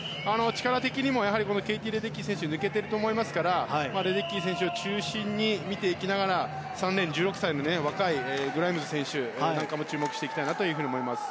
力的にもケイティ・レデッキーは抜けていると思いますからレデッキー選手を中心に見ていきながら３レーン、１６歳の若いグライムズ選手なんかも注目していきたいなと思います。